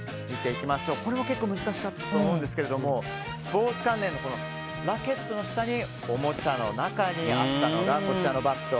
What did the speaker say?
これも結構難しかったと思うんですがスポーツ関連のラケットの下におもちゃの中にあったのがこちらのバット。